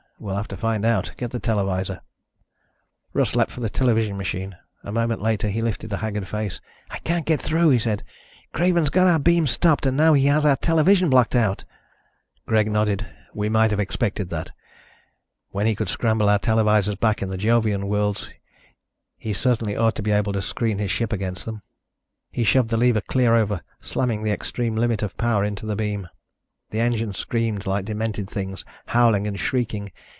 "We'll have to find out. Get the televisor." Russ leaped for the television machine. A moment later he lifted a haggard face. "I can't get through," he said. "Craven's got our beams stopped and now he has our television blocked out." Greg nodded. "We might have expected that. When he could scramble our televisors back in the Jovian worlds, he certainly ought to be able to screen his ship against them." He shoved the lever clear over, slamming the extreme limit of power into the beam. The engines screamed like demented things, howling and shrieking.